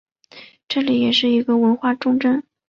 这里也是一个文化重镇。